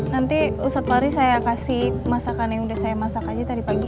nanti ustadz lari saya kasih masakan yang udah saya masak aja tadi pagi